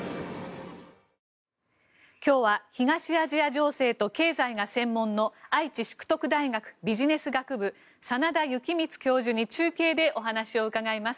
今日は東アジア情勢と経済が専門の愛知淑徳大学ビジネス学部真田幸光教授に中継でお話を伺います。